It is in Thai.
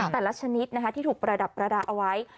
แต่ละชนิดที่ถูกประดับประดาษเอาไว้